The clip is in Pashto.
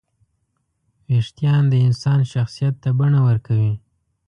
وېښتيان د انسان شخصیت ته بڼه ورکوي.